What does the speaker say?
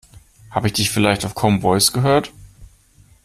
Habe ich dich vielleicht auf Common Voice gehört?